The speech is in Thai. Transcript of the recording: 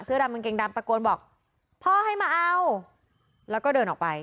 ดำกางเกงดำตะโกนบอกพ่อให้มาเอาแล้วก็เดินออกไป